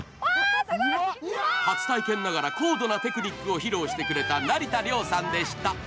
初体験ながら高度なテクニックを披露してくれた成田凌さんでした